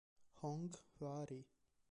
Hong Hwa-ri